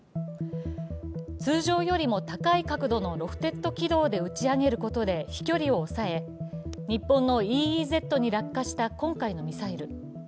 通常よりも高い角度のロフテッド軌道で打ち上げることで飛距離を抑え、日本のＥＥＺに落下した今回のミサイル。